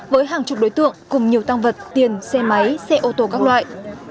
với hàng chục đối tượng cùng nhiều tăng vật tiền xe máy xe ô tô các loại